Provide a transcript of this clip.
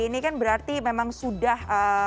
ini kan berarti memang sudah